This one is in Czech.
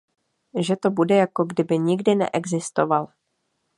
Že to bude jako kdyby nikdy neexistoval.